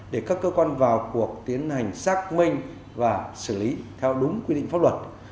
để các cơ quan vào cuộc tiến hành xác minh và xử lý theo đúng quy định pháp luật